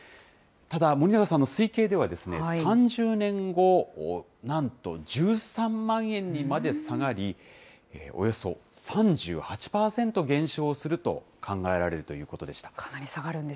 ただ、森永さんの推計では、３０年後、なんと１３万円にまで下がり、およそ３８％減少すると考えられるということでした。